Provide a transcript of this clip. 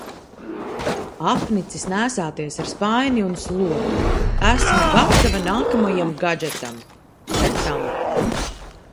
Apnicis nēsāties ar spaini un slotu. Esmu gatava nākamajam gadžetam - tam.